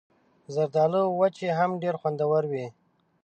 زردالو وچې هم ډېرې خوندورې وي.